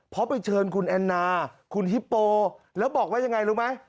เพราะไปเชิญคุณแอนนาคุณฮิปโปแล้วบอกว่ายังไงรู้ไหม